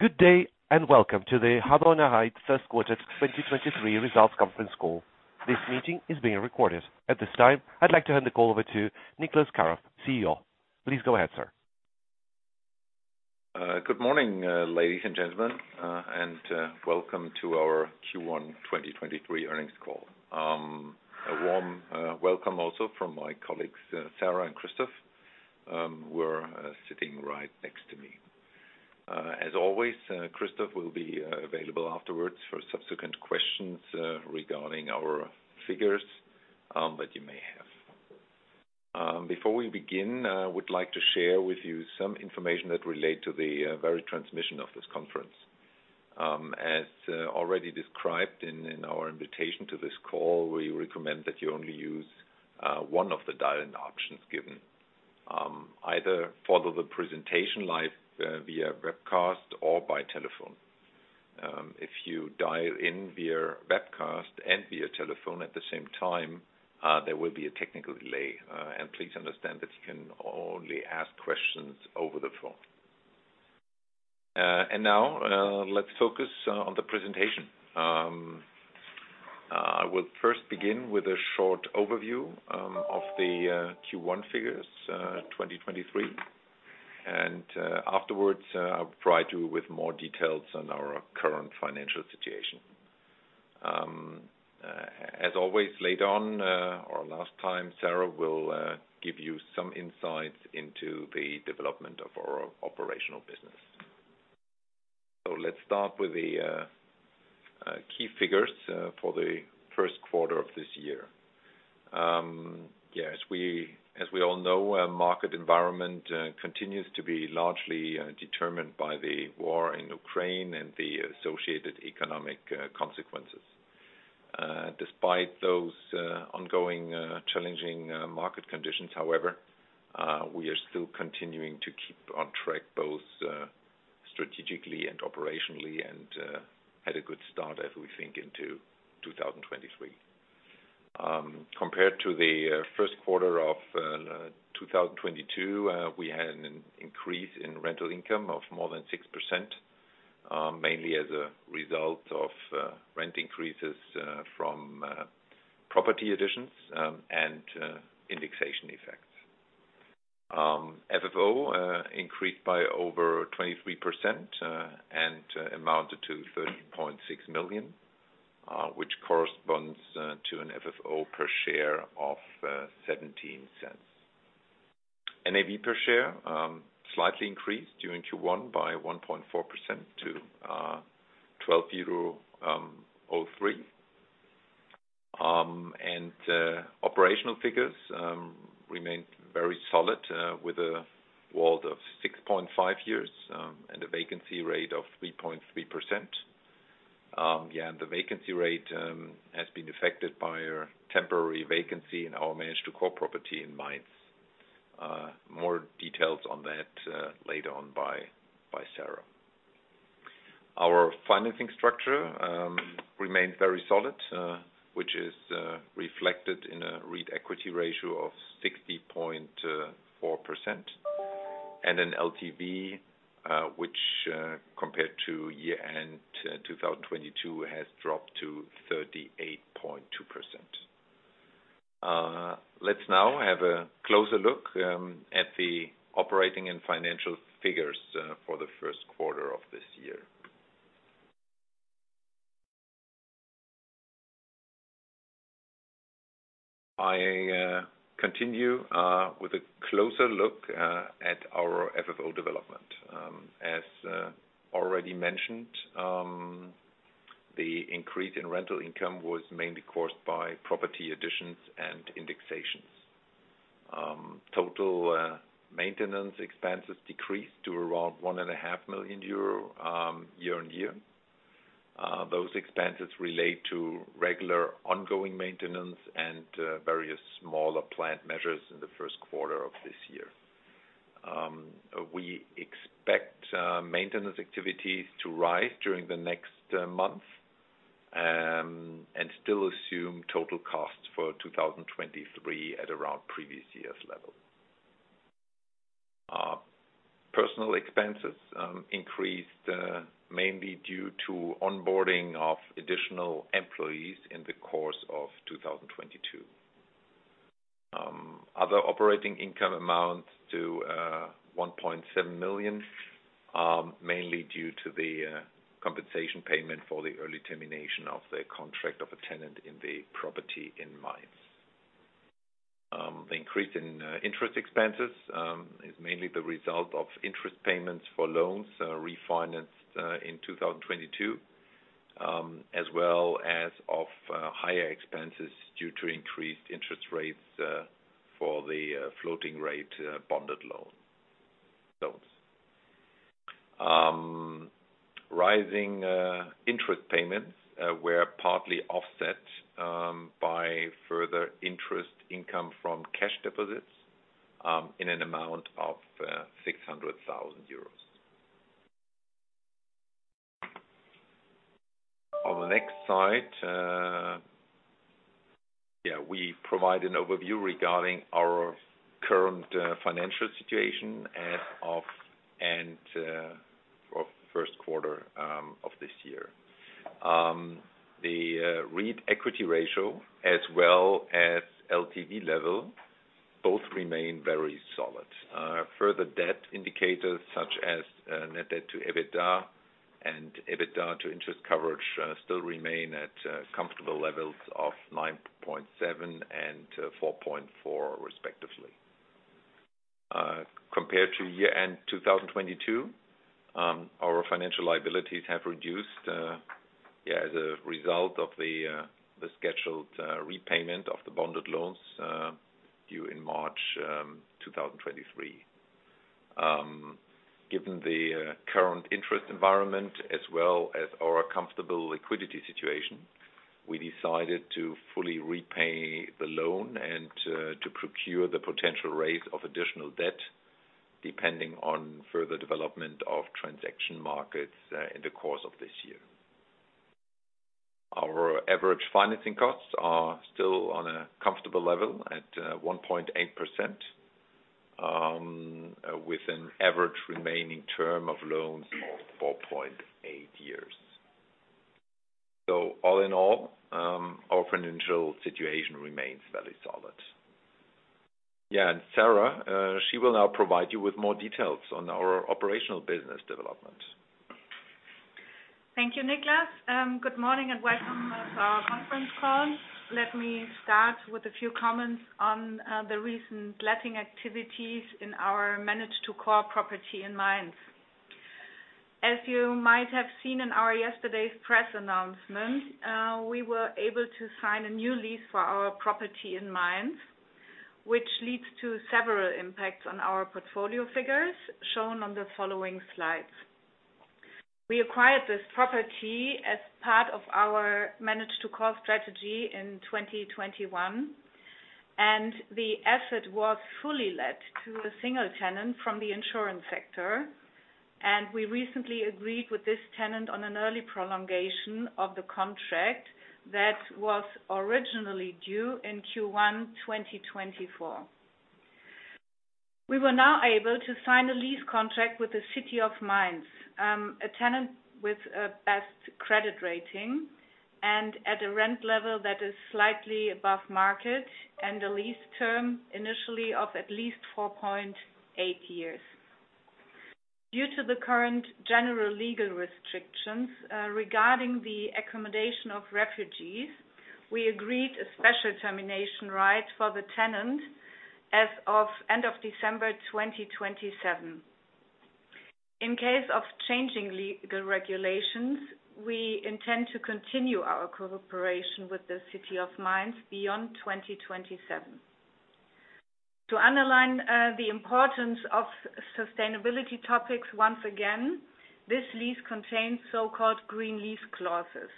Good day and welcome to the Vonovia Q1 2023 results conference call. This meeting is being recorded. At this time, I'd like to hand the call over to Niclas Karoff, CEO. Please go ahead, sir. Good morning, ladies and gentlemen, welcome to our Q1 2023 Earnings Call. A warm welcome also from my colleagues, Sarah and Christoph, who are sitting right next to me. As always, Christoph will be available afterwards for subsequent questions regarding our figures that you may have. Before we begin, I would like to share with you some information that relate to the very transmission of this conference. As already described in our invitation to this call, we recommend that you only use one of the dial-in options given. Either follow the presentation live via webcast or by telephone. If you dial in via webcast and via telephone at the same time, there will be a technical delay. Please understand that you can only ask questions over the phone. Now, let's focus on the presentation. I will first begin with a short overview of the Q1 figures, 2023. Afterwards, I'll provide you with more details on our current financial situation. As always, later on, or last time, Sarah will give you some insights into the development of our operational business. Let's start with the key figures for the Q1 of this year. Yes, as we all know, market environment continues to be largely determined by the war in Ukraine and the associated economic consequences. Despite those ongoing challenging market conditions, however, we are still continuing to keep on track both strategically and operationally, and had a good start as we think into 2023. Compared to the Q1 of 2022, we had an increase in rental income of more than 6%, mainly as a result of rent increases from property additions and indexation effects. FFO increased by over 23% and amounted to 30.6 million, which corresponds to an FFO per share of 0.17. NAV per share slightly increased during Q1 by 1.4% to 12.03. Operational figures remained very solid, with a WALT of 6.5 years, and a vacancy rate of 3.3%. The vacancy rate has been affected by a temporary vacancy in our manage-to-core property in Mainz. More details on that later on by Sarah. Our financing structure remained very solid, which is reflected in a REIT equity ratio of 60.4%. An LTV, which compared to year-end 2022, has dropped to 38.2%. Let's now have a closer look at the operating and financial figures for the Q1 of this year. I continue with a closer look at our FFO development. As already mentioned, the increase in rental income was mainly caused by property additions and indexations. Total maintenance expenses decreased to around 1.5 million euro year-on-year. Those expenses relate to regular ongoing maintenance and various smaller planned measures in the Q1 of this year. We expect maintenance activities to rise during the next month and still assume total costs for 2023 at around previous year's level. Personal expenses increased mainly due to onboarding of additional employees in the course of 2022. Other operating income amounts to 1.7 million mainly due to the compensation payment for the early termination of the contract of a tenant in the property in Mainz. The increase in interest expenses is mainly the result of interest payments for loans refinanced in 2022, as well as of higher expenses due to increased interest rates for the floating rate bonded loan loans. Rising interest payments were partly offset by further interest income from cash deposits in an amount of 600,000 euros. On the next slide, yeah, we provide an overview regarding our current financial situation as of end of Q1 of this year. The REIT equity ratio as well as LTV level both remain very solid. Further debt indicators such as net debt to EBITDA and EBITDA to interest coverage still remain at comfortable levels of 9.7 and 4.4 respectively. Compared to year-end 2022, our financial liabilities have reduced as a result of the scheduled repayment of the bonded loans due in March 2023. Given the current interest environment as well as our comfortable liquidity situation, we decided to fully repay the loan and to procure the potential rate of additional debt, depending on further development of transaction markets in the course of this year. Our average financing costs are still on a comfortable level at 1.8%, with an average remaining term of loans of 4.8 years. All in all, our financial situation remains very solid. Sarah will now provide you with more details on our operational business development. Thank you, Niclas. Good morning and welcome to our conference call. Let me start with a few comments on the recent letting activities in our manage to core property in the City of Mainz. As you might have seen in our yesterday's press announcement, we were able to sign a new lease for our property in the City of Mainz, which leads to several impacts on our portfolio figures shown on the following slides. We acquired this property as part of our manage to core strategy in 2021, and the asset was fully let to a single tenant from the insurance sector. We recently agreed with this tenant on an early prolongation of the contract that was originally due in Q1 2024. We were now able to sign a lease contract with the City of Mainz, a tenant with a best credit rating and at a rent level that is slightly above market and a lease term initially of at least 4.8 years. Due to the current general legal restrictions, regarding the accommodation of refugees, we agreed a special termination right for the tenant as of end of December 2027. In case of changing legal regulations, we intend to continue our cooperation with the City of Mainz beyond 2027. To underline the importance of sustainability topics once again, this lease contains so-called green lease clauses.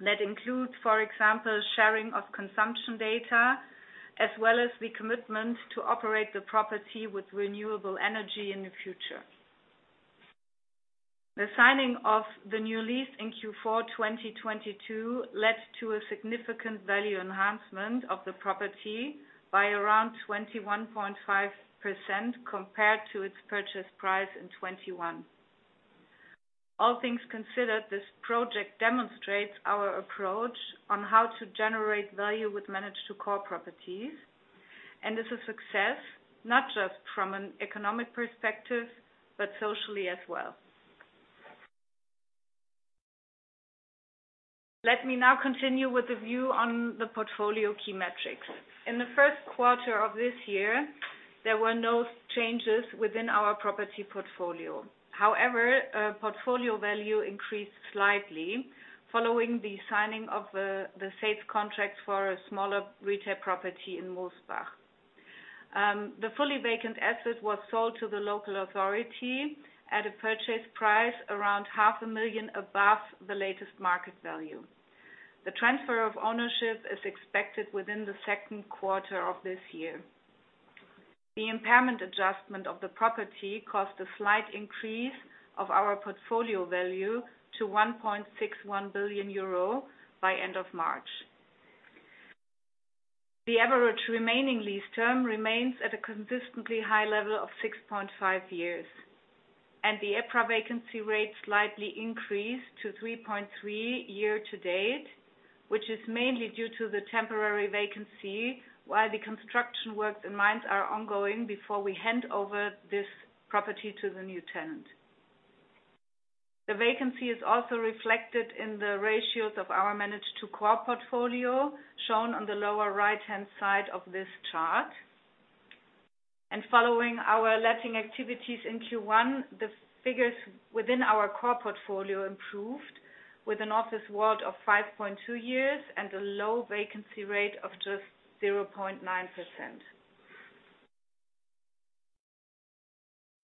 That includes, for example, sharing of consumption data, as well as the commitment to operate the property with renewable energy in the future. The signing of the new lease in Q4 2022 led to a significant value enhancement of the property by around 21.5% compared to its purchase price in 2021. All things considered, this project demonstrates our approach on how to generate value with managed to core properties, and is a success, not just from an economic perspective, but socially as well. Let me now continue with the view on the portfolio key metrics. In the Q1 of this year, there were no changes within our property portfolio. Portfolio value increased slightly following the signing of the sales contract for a smaller retail property in Mosbach. The fully vacant asset was sold to the local authority at a purchase price around half a million EUR above the latest market value. The transfer of ownership is expected within the Q2 of this year. The impairment adjustment of the property caused a slight increase of our portfolio value to 1.61 billion euro by end of March. The average remaining lease term remains at a consistently high level of 6.5 years. The EPRA vacancy rate slightly increased to 3.3% year to date, which is mainly due to the temporary vacancy while the construction works in Mainz are ongoing before we hand over this property to the new tenant. The vacancy is also reflected in the ratios of our manage to core portfolio, shown on the lower right-hand side of this chart. Following our letting activities in Q1, the figures within our core portfolio improved with an office WALT of 5.2 years and a low vacancy rate of just 0.9%.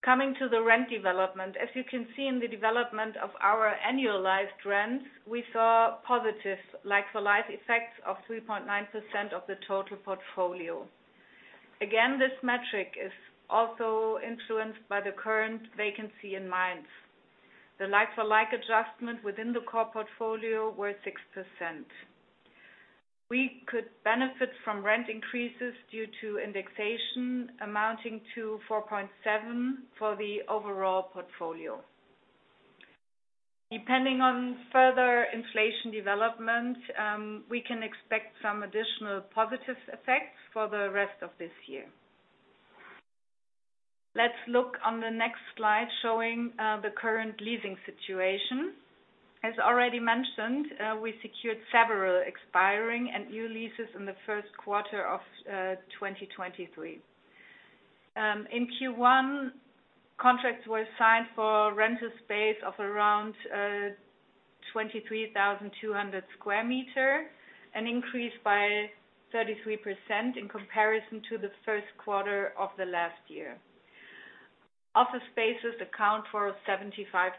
Coming to the rent development. As you can see in the development of our annualized trends, we saw positive like-for-like effects of 3.9% of the total portfolio. This metric is also influenced by the current vacancy in Mainz. The like-for-like adjustment within the core portfolio were 6%. We could benefit from rent increases due to indexation amounting to 4.7% for the overall portfolio. Depending on further inflation development, we can expect some additional positive effects for the rest of this year. Let's look on the next slide showing the current leasing situation. As already mentioned, we secured several expiring and new leases in the Q1 of 2023. In Q1, contracts were signed for rental space of around 23,200 square meter, an increase by 33% in comparison to the Q1 of last year. Office spaces account for 75%.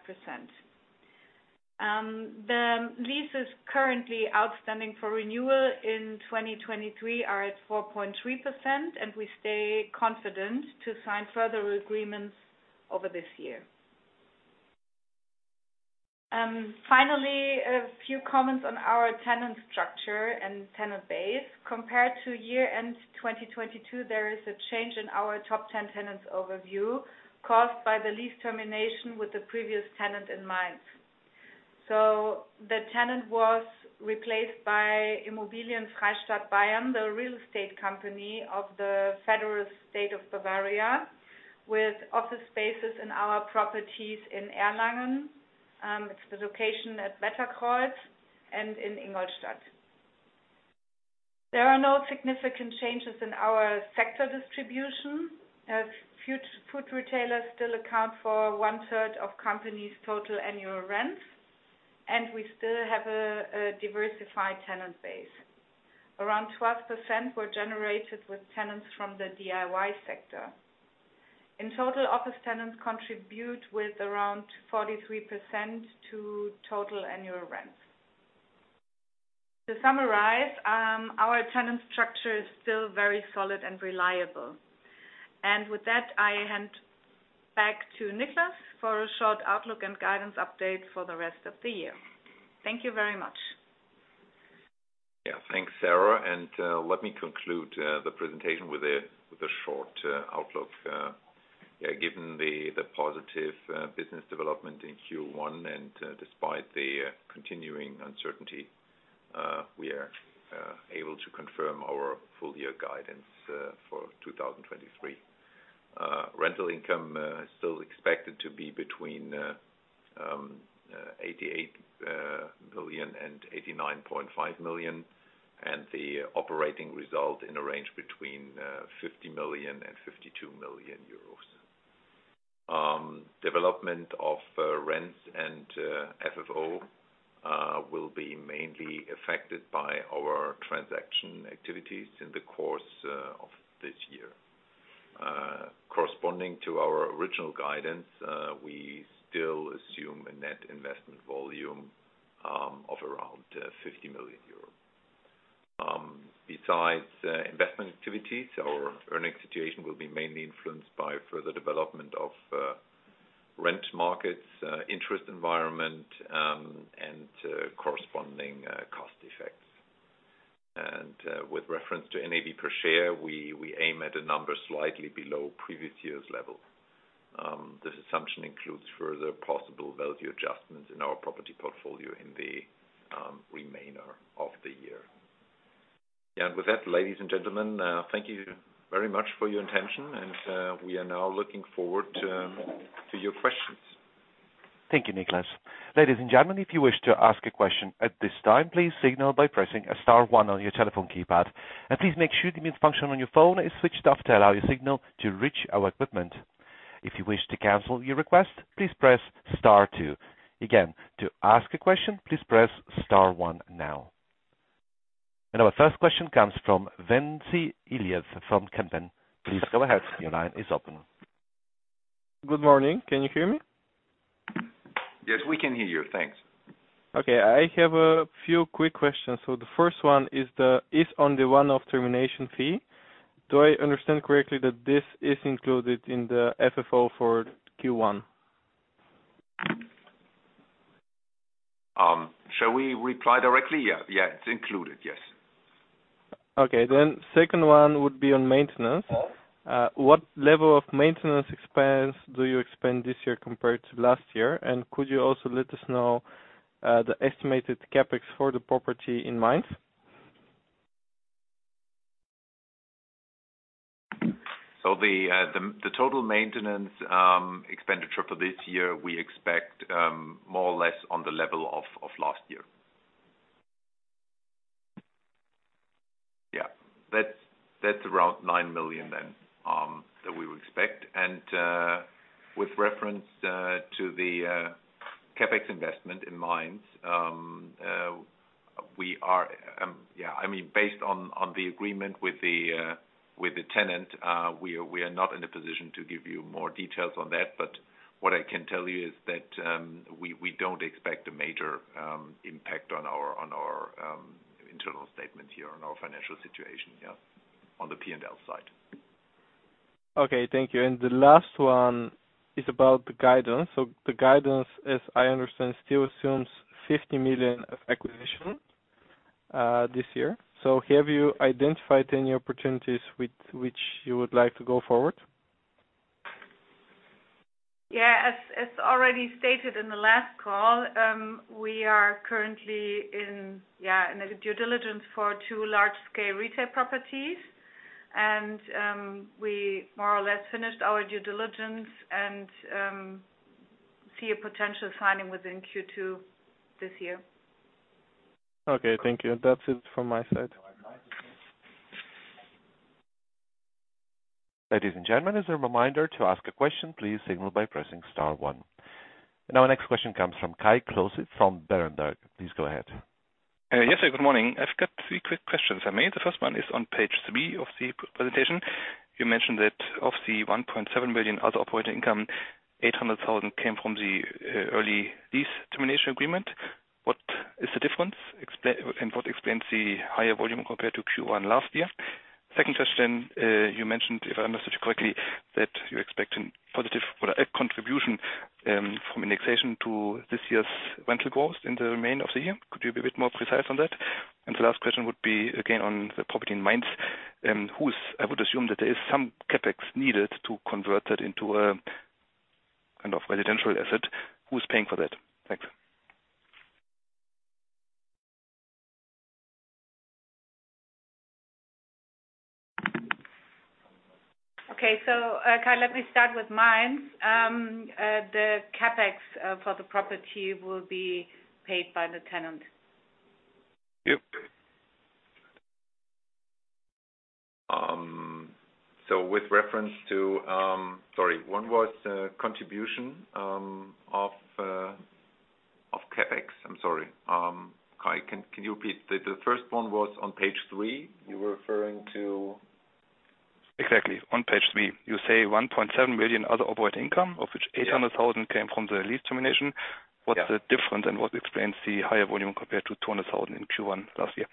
The leases currently outstanding for renewal in 2023 are at 4.3%, and we stay confident to sign further agreements over this year. Finally, a few comments on our tenant structure and tenant base. Compared to year-end 2022, there is a change in our top 10 tenants overview caused by the lease termination with the previous tenant in mind. The tenant was replaced by Immobilien Freistaat Bayern, the real estate company of the federal state of Bavaria, with office spaces in our properties in Erlangen, it's the location at Wetterkreuz and in Ingolstadt. There are no significant changes in our sector distribution. Food retailers still account for 1/3 of company's total annual rents, and we still have a diversified tenant base. Around 12% were generated with tenants from the DIY sector. In total, office tenants contribute with around 43% to total annual rents. To summarize, our tenant structure is still very solid and reliable. With that, I hand back to Niclas for a short outlook and guidance update for the rest of the year. Thank you very much. Thanks, Sarah, let me conclude the presentation with a short outlook. Given the positive business development in Q1, despite the continuing uncertainty, we are able to confirm our full year guidance for 2023. Rental income is still expected to be between 88 million and 89.5 million, and the operating result in a range between 50 million and 52 million euros. Development of rents and FFO will be mainly affected by our transaction activities in the course of this year. Corresponding to our original guidance, we still assume a net investment volume of around 50 million euro. Besides investment activities, our earning situation will be mainly influenced by further development of rent markets, interest environment, and corresponding cost effects. With reference to NAV per share, we aim at a number slightly below previous year's level. This assumption includes further possible value adjustments in our property portfolio in the remainder of the year. With that, ladies and gentlemen, thank you very much for your attention and we are now looking forward to your questions. Thank you, Niclas. Ladies and gentlemen, if you wish to ask a question at this time, please signal by pressing star one on your telephone keypad. Please make sure the mute function on your phone is switched off to allow your signal to reach our equipment. If you wish to cancel your request, please press star two. Again, to ask a question, please press star one now. Our first question comes from Ventsi Iliev from Kempen. Please go ahead. Your line is open. Good morning. Can you hear me? Yes, we can hear you. Thanks. Okay. I have a few quick questions. The first one is on the one-off termination fee. Do I understand correctly that this is included in the FFO for Q1? Shall we reply directly? Yeah, yeah, it's included. Yes. Okay. Second one would be on maintenance. What level of maintenance expense do you expect this year compared to last year? Could you also let us know, the estimated CapEx for the property in Mainz? The total maintenance expenditure for this year, we expect more or less on the level of last year. Yeah. That's around 9 million then that we would expect. With reference to the CapEx investment in mind, we are, yeah, I mean, based on the agreement with the tenant, we are not in a position to give you more details on that, but what I can tell you is that we don't expect a major impact on our internal statement here on our financial situation, yeah, on the P&L side. Okay, thank you. The last one is about the guidance. The guidance, as I understand, still assumes 50 million of acquisition this year. Have you identified any opportunities with which you would like to go forward? As already stated in the last call, we are currently in a due diligence for two large scale retail properties. We more or less finished our due diligence and see a potential signing within Q2 this year. Okay, thank you. That's it from my side. Ladies and gentlemen, as a reminder to ask a question, please signal by pressing star one. Our next question comes from Kai Klose from Berenberg. Please go ahead. Yes, sir. Good morning. I've got 3 quick questions for me. The first one is on page three of the presentation. You mentioned that of the 1.7 billion other operating income, 800,000 came from the early lease termination agreement. What is the difference? What explains the higher volume compared to Q1 last year? Second question, you mentioned, if I understood you correctly, that you're expecting positive or a contribution from indexation to this year's rental growth in the remain of the year. Could you be a bit more precise on that? The last question would be, again, on the property in Mainz, I would assume that there is some CapEx needed to convert that into a kind of residential asset. Who's paying for that? Thanks. Kai, let me start with Mainz. The CapEx for the property will be paid by the tenant. Yep. With reference to... Sorry, one was contribution of CapEx. I'm sorry. Kai, can you repeat? The first one was on page three. You were referring to? Exactly. On page three. You say 1.7 billion other operating income, of which eight- Yeah. 100,000 came from the lease termination. Yeah. What's the difference, and what explains the higher volume compared to 200,000 in Q1 last year?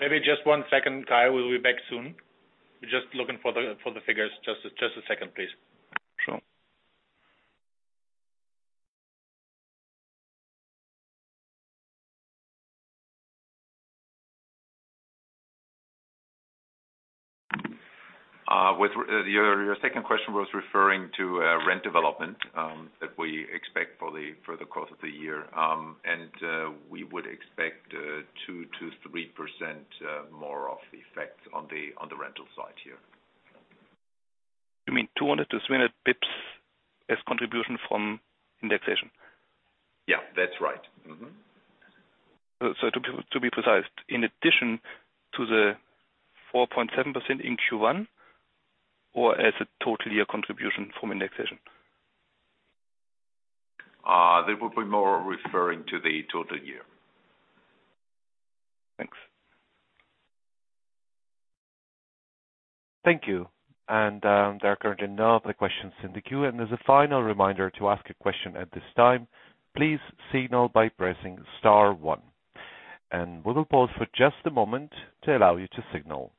Maybe just one second, Kai. We'll be back soon. We're just looking for the figures. Just a second, please. Sure. Your second question was referring to rent development that we expect for the course of the year. We would expect 2%-3% more of the effect on the rental side here. You mean 200-300 bips as contribution from indexation? Yeah, that's right. Mm-hmm. to be precise, in addition to the 4.7% in Q1, or as a total year contribution from indexation? They will be more referring to the total year. Thanks. Thank you. There are currently no other questions in the queue. As a final reminder to ask a question at this time, please signal by pressing star one. We will pause for just a moment to allow you to signal.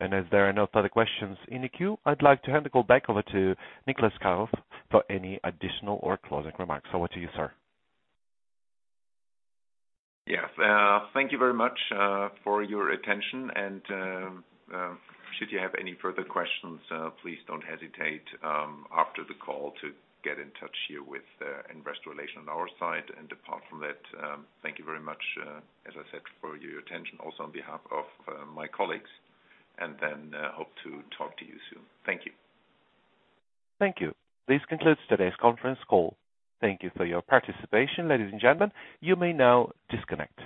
As there are no further questions in the queue, I'd like to hand the call back over to Niclas Karoff for any additional or closing remarks. Over to you, sir. Yes. Thank you very much for your attention. Should you have any further questions, please don't hesitate after the call to get in touch here with investor relations on our side. Apart from that, thank you very much, as I said, for your attention also on behalf of my colleagues, hope to talk to you soon. Thank you. Thank you. This concludes today's conference call. Thank you for your participation. Ladies and gentlemen, you may now disconnect.